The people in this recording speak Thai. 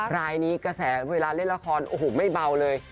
รายนี้กระแสเวลาเล่นละครโอ้โหไม่เบาเลย